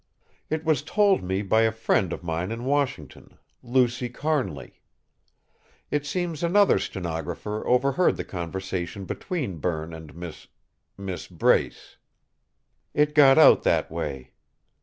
"It was told me by a friend of mine in Washington, Lucy Carnly. It seems another stenographer overheard the conversation between Berne and Miss Miss Brace. It got out that way.